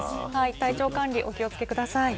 体調管理、お気をつけください。